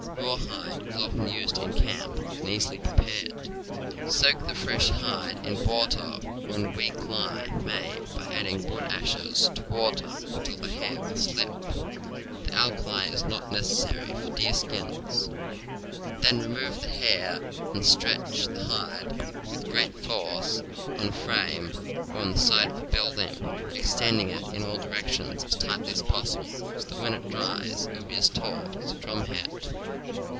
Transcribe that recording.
Rawhide is often useful in camp and is easily pre pared. Soak the fresh hide in water, or in a weak lye J. ,., made by adding wood ashes to water, until the hair will slip. The alkali is not necessary for deerskins. Then remove the hair and stretch the hide with great force on a frame or on the side of a building, extending it in all directions as tightly as possible, so that when it dries it will be as taut as a drumhead.